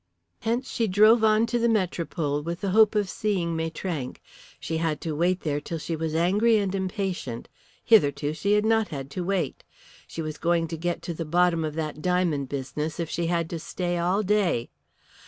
Hence she drove on to the Metropole with the hope of seeing Maitrank. She had to wait there till she was angry and impatient. Hitherto she had not had to wait. She was going to get to the bottom of that diamond business if she had to stay all day.